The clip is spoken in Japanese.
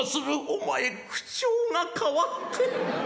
「お前口調が変わって」。